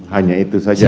hanya itu saja